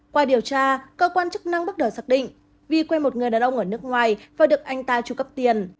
qua điều tra cơ quan chức năng bắt đỡ xác định vi quê một người đàn ông ở nước ngoài và được anh ta tru cấp tiền